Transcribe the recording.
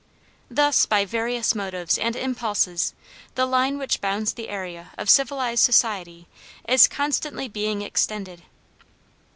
Thus by various motives and impulses the line which bounds the area of civilized society is constantly being extended.